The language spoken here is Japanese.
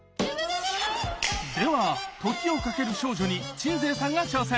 では「時をかける少女」に鎮西さんが挑戦！